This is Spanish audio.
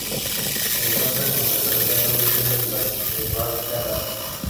Se encuentran con frecuencia dos versiones de la esvástica nazi.